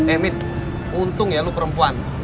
eh mit untung ya lo perempuan